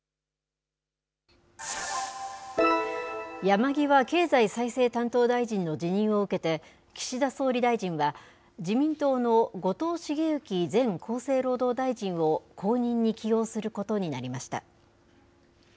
山際経済再生担当大臣の辞任を受けて、岸田総理大臣は、自民党の後藤茂之前厚生労働大臣を後任に起用することになりました。